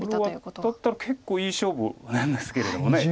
これはだったら結構いい勝負なんですけれども。